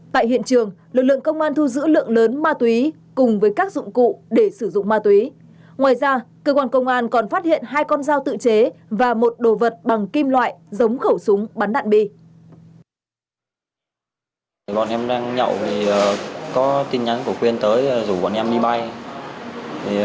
tại hiện trường lực lượng công an thu giữ lượng lớn ma túy cùng với các dụng cụ để sử dụng ma túy ngoài ra cơ quan công an còn phát hiện hai con dao tự chế và một đồ vật bằng kim loại giống khẩu súng bắn đạn bi